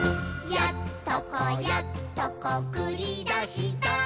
「やっとこやっとこくりだした」